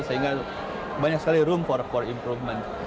sehingga banyak sekali room for improvement